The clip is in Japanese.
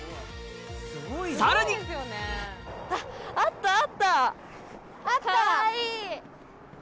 さらにあったあった！